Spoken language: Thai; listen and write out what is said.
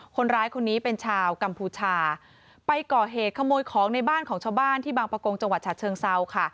คนร้ายคนนี้เป็นชาวกัมพูชาไปก่อเหตุขโมยของในบ้านของชาวบ้านที่บางประกงจังหวัดฉะเชิงเซาค่ะ